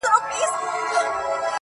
زاغ نيولي ځالګۍ دي د بلبلو!